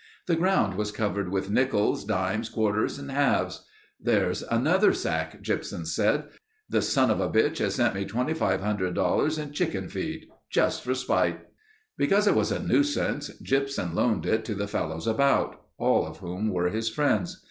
The ground was covered with nickles, dimes, quarters, halves. 'There's another sack.' Gypsum said. 'The son of a bitch has sent me $2500 in chicken feed. Just for spite.' "Because it was a nuisance, Gypsum loaned it to the fellows about, all of whom were his friends.